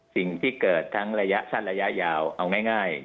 สิ่งที่เกิดทั้งระยะสั้นระยะยาวเอาง่าย